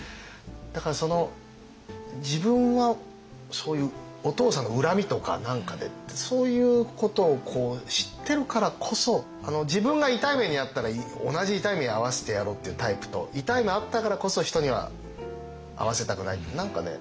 だから自分はそういうお父さんの恨みとか何かでそういうことを知ってるからこそ自分が痛い目にあったら同じ痛い目にあわせてやろうっていうタイプと痛い目あったからこそ人にはあわせたくないって何かね